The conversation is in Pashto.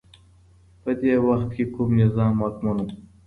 په دې وخت کي کوم نظام واکمن و؟